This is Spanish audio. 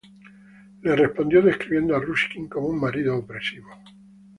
Les respondió describiendo a Ruskin como un marido opresivo.